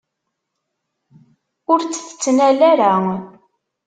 Ur tt-tettnal ara.